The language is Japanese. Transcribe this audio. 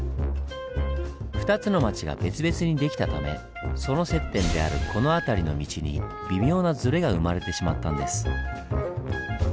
２つの町が別々にできたためその接点であるこの辺りの道に微妙なズレが生まれてしまったんです。